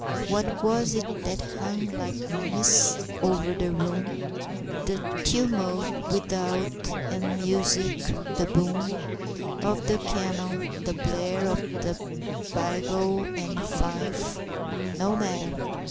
What was it that hung like a mist o'er the room? The tumult without and the music the boom Of the canon the blare of the bugle and fife? No matter!